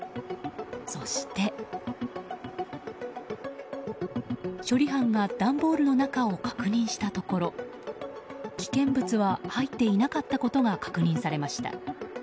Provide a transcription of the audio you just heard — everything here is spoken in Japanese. そして、処理班が段ボールの中を確認したところ危険物は入っていなかったことが確認されました。